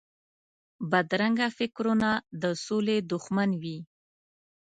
بدرنګه فکرونه د سولې دښمن وي